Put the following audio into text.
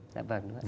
dạ vâng đúng rồi